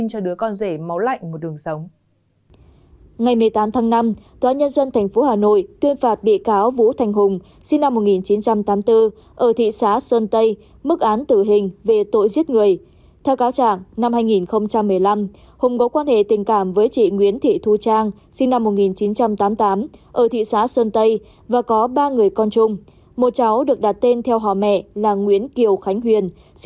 hãy đăng ký kênh để ủng hộ kênh của chúng mình nhé